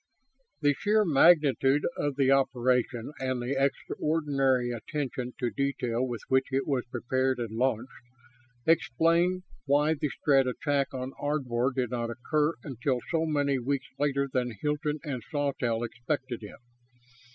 The sheer magnitude of the operation, and the extraordinary attention to detail with which it was prepared and launched, explain why the Strett attack on Ardvor did not occur until so many weeks later than Hilton and Sawtelle expected it.